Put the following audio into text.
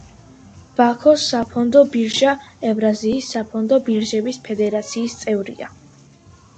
ბაქოს საფონდო ბირჟა ევრაზიის საფონდო ბირჟების ფედერაციის წევრია.